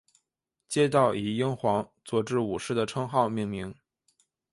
街道以英皇佐治五世的称号命名。